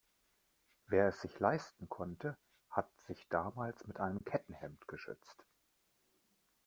Wer es sich leisten konnte, hat sich damals mit einem Kettenhemd geschützt.